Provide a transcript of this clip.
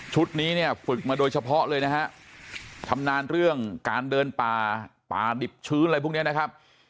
นี้เนี่ยฝึกมาโดยเฉพาะเลยนะฮะชำนาญเรื่องการเดินป่าป่าดิบชื้นอะไรพวกนี้นะครับ